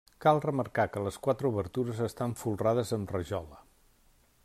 Cal remarcar que les quatre obertures estan folrades amb rajola.